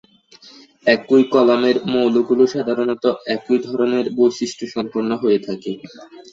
একই কলামের মৌলগুলো সাধারণত একই ধরনের বৈশিষ্ট সম্পন্ন হয়ে থাকে।